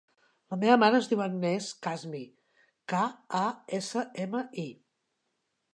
La meva mare es diu Agnès Kasmi: ca, a, essa, ema, i.